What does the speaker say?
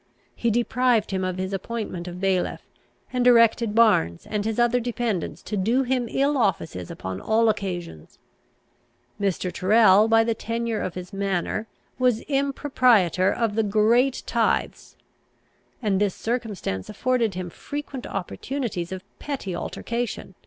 He deprived him of his appointment of bailiff, and directed Barnes and his other dependents to do him ill offices upon all occasions. Mr. Tyrrel, by the tenure of his manor, was impropriator of the great tithes, and this circumstance afforded him frequent opportunities of petty altercation.